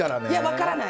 分からない！